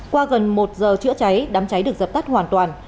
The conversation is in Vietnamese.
qua gần một giờ chữa cháy đám cháy được dập tắt hoàn toàn